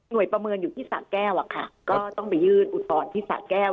โดยประเมินอยู่ที่สะแก้วอะค่ะก็ต้องไปยื่นอุทธรณ์ที่สะแก้ว